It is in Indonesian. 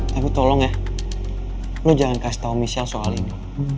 tapi tolong ya lo jangan kasih tau michelle soal ini